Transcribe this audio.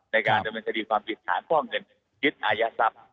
ในการถึงข้อมูลค่านว่าผิดฐานฟ่องเงินยึดอายาทรัพย์